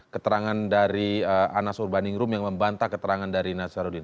keterangan dari anas urbaningrum yang membantah keterangan dari nazarudin